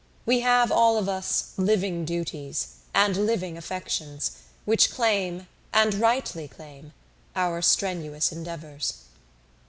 We have all of us living duties and living affections which claim, and rightly claim, our strenuous endeavours.